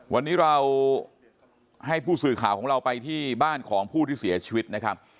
วันนี้เราให้ผู้สื่อข่าวของเราไปที่บ้านของผู้ที่เสียชีวิตนะครับ